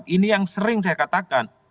ini yang sering saya katakan